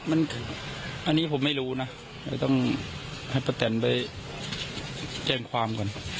อันนี้ผมไม่รู้นะแต่ต้องให้ป้าแตนไปแจ้งความก่อน